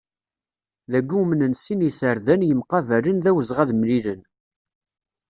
Dagi umnen sin yiserdan yemqabalen d awezɣi ad mlilen.